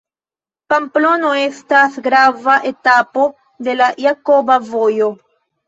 Pamplono estas grava etapo de la Jakoba Vojo.